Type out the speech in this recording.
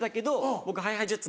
僕ＨｉＨｉＪｅｔｓ